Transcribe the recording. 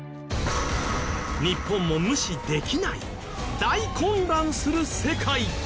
日本も無視できない大混乱する世界